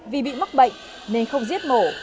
vì bị mắc bệnh nên không giết mổ